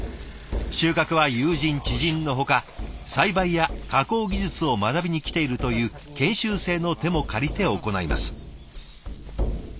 収穫は友人知人のほか栽培や加工技術を学びに来ているという研修生の手も借りて行います。